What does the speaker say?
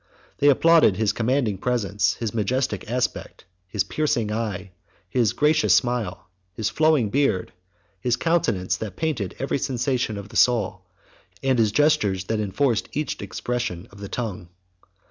They applauded his commanding presence, his majestic aspect, his piercing eye, his gracious smile, his flowing beard, his countenance that painted every sensation of the soul, and his gestures that enforced each expression of the tongue.